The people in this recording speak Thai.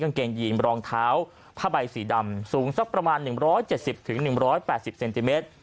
กางเกงยีมรองเท้าผ้าใบสีดำสูงสักประมาณหนึ่งร้อยเจ็ดสิบถึงหนึ่งร้อยแปดสิบเซนติเมตร